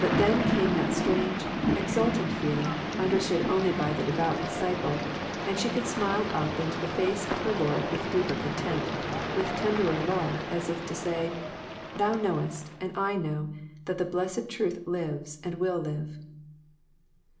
But then came that strange, exultant feeling, understood only by the devout disciple, and she could smile up into the face of her Lord with deeper content, with ten derer love, as if to say "Thou knowest and I know that the blessed truth lives, and will live."